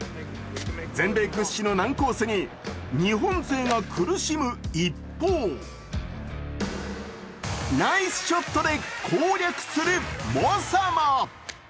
全米屈指の難コースに日本勢が苦しむ一方、ナイスショットで攻略する猛者も。